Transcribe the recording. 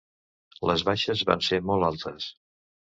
Les baixes van ser molt altes.